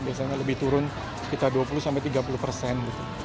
biasanya lebih turun sekitar dua puluh tiga puluh persen